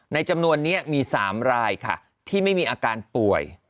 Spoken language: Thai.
จำนวนนี้มี๓รายค่ะที่ไม่มีอาการป่วย